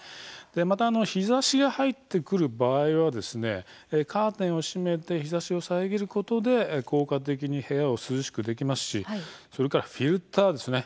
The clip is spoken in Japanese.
また日ざしが入ってくる場合はカーテンを閉めて日ざしを遮ることで効果的に部屋を涼しくできますしそれからフィルターですね